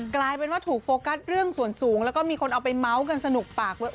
กลายเป็นว่าถูกโฟกัสเรื่องส่วนสูงแล้วก็มีคนเอาไปเมาส์กันสนุกปากเลย